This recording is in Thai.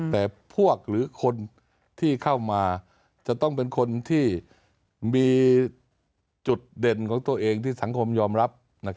แต่พวกหรือคนที่เข้ามาจะต้องเป็นคนที่มีจุดเด่นของตัวเองที่สังคมยอมรับ